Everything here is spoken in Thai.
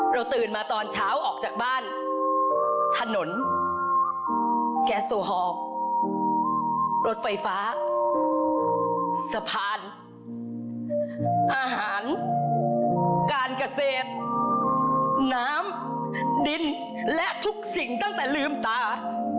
ตื่นมาตอนเช้าออกจากบ้านถนนแกโซฮอล์รถไฟฟ้าสะพานอาหารการเกษตรน้ำดินและทุกสิ่งตั้งแต่ลืมตา